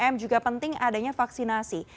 tiga m juga penting adanya vaksinasi